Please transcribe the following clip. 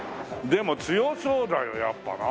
でも強そうだよやっぱな。